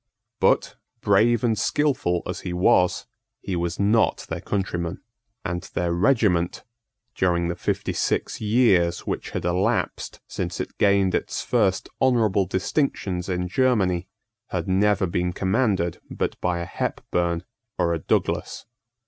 But, brave and skilful as he was, he was not their countryman: and their regiment, during the fifty six years which had elapsed since it gained its first honourable distinctions in Germany, had never been commanded but by a Hepburn or a Douglas.